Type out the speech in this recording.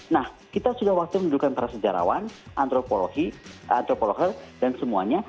nah kita sudah waktu menunjukkan para sejarawan antropologi antropologi dan semuanya